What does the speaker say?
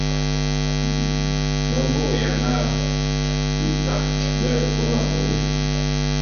Me vô'ôya na bita bi aye kui nlame wu.